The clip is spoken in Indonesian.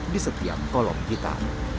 di setiap kolom kita